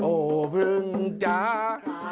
โอ้เพิ่งจ๊ะจ๊ะ